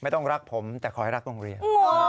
ต้องรักผมแต่ขอให้รักโรงเรียน